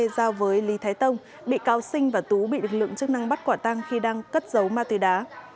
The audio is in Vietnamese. giao với lý thái tông bị cáo sinh và tú bị lực lượng chức năng bắt quả tăng khi đang cất giấu ma túy đá